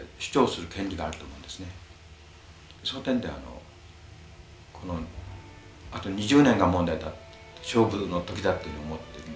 その点でこのあと２０年が問題だって勝負の時だっていうふうに思ってるんです。